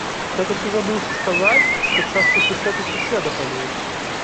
Я толькі забыўся сказаць, што часта сусед у суседа паліў.